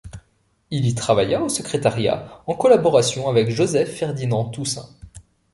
Il y travailla au secrétariat en collaboration avec Joseph-Ferdinand Toussaint.